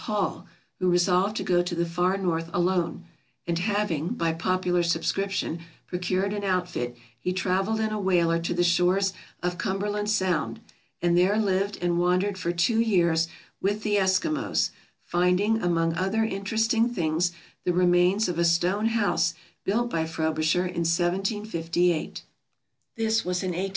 Hall, who resolved to go to the far North alone; and having, by popular subscription, procured an outfit, he traveled in a whaler to the shores of Cumberland Sound, and there lived and wandered for two years with the Eskimos, finding, among other interesting things, the remains of a stone house built by Frobisher in 1758. This was in 1860 61.